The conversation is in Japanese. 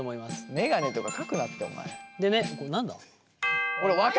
眼鏡とか書くなってお前。